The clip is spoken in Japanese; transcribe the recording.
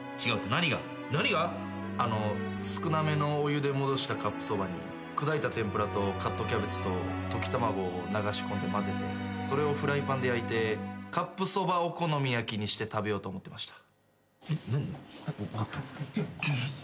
だから少なめのお湯で戻したカップそばに砕いた天ぷらとカットキャベツと溶き卵を流し込んでまぜてそれをフライパンで焼いてカップそばお好み焼きにして食べようと思ってました。